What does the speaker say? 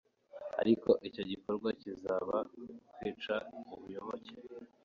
ariko icyo gikorwa kikaza kwica ubuyoboke